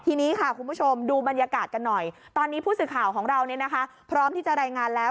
ทีนี้ค่ะคุณผู้ชมดูบรรยากาศกันหน่อยตอนนี้ผู้สื่อข่าวของเราพร้อมที่จะรายงานแล้ว